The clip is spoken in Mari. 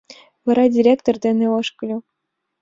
Вара директор деке ошкыльо.